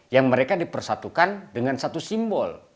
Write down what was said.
yang mereka dipersatukan dengan satu simbol